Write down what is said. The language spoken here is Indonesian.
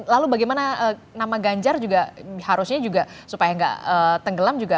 lalu bagaimana nama ganjar juga harusnya juga supaya nggak tenggelam juga